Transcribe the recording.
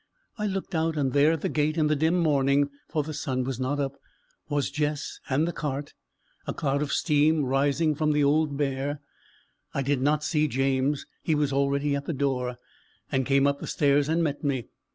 I looked out; and there, at the gate, in the dim morning for the sun was not up was Jess and the cart a cloud of steam rising from the old mare. I did not see James; he was already at the door, and came up the stairs and met me.